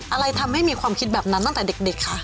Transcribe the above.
อะไรทำให้มีความคิดแบบนั้นตั้งแต่เด็กคะ